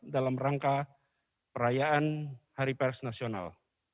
dalam rangka perayaan hari pers nasional